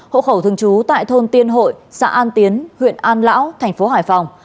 hộ khẩu thường trú tại thôn tiên hội xã an tiến huyện an lão thành phố hải phòng